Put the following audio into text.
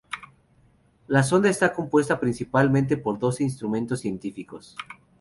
La sonda está compuesta principalmente por doce instrumentos científicos.